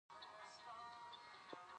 زه مسلمان یم او پر اسلام باور لرم.